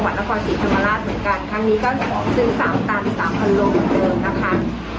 ครั้งนี้ก็ซื้อ๓ตัน๓๐๐๐โลกเหมือนเดิมนะคะ